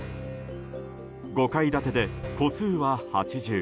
５階建てで戸数は８０。